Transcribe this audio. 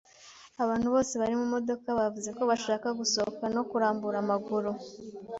Abantu bose bari mumodoka bavuze ko bashaka gusohoka no kurambura amaguru.